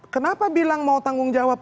kenapa bilang mau tanggung jawab